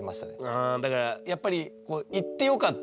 あだからやっぱり行ってよかったよね。